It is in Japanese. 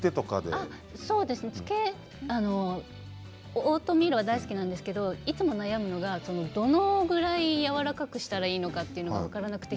オートミールは大好きなんですけどいつも悩むのがどのぐらいやわらかくしたらいいのかというのが分からなくて。